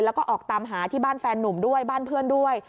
แล้วก็ออกตามหาที่บ้านแฟนนุ่มด้วยบ้านเพื่อนด้วย